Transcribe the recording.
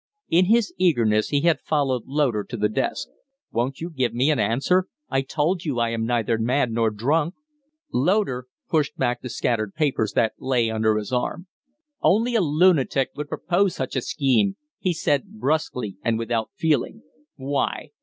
In his eagerness he had followed Loder to the desk. "Won't you give me an answer? I told you I am neither mad nor drunk." Loder pushed back the scattered papers that lay under his arm. "Only a lunatic would propose such a scheme." he said, brusquely and without feeling. "Why?"